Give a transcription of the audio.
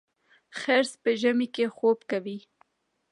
خرس په ژمي کې خوب کوي